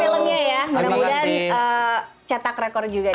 dan filmnya ya mudah mudahan catak rekor juga